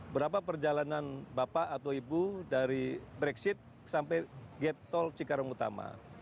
berapa perjalanan bapak atau ibu dari brexit sampai gate tol cikarang utama